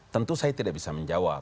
tentu saya tidak bisa menjawab